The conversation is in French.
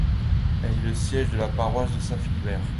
Elle est le siège de la paroisse de Saint-Philibert.